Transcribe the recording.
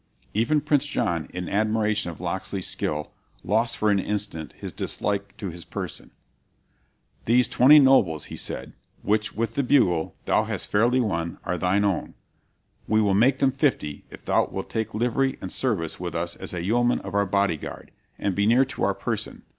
"Even Prince John, in admiration of Locksley's skill, lost for an instant his dislike to his person. 'These twenty nobles,' he said, 'which, with the bugle, thou hast fairly won, are thine own; we will make them fifty, if thou wilt take livery and service with us as a yeoman of our bodyguard, and be near to our person.